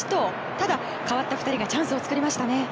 ただ、代わった２人がチャンスを作りましたね。